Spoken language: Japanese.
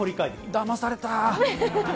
だまされた。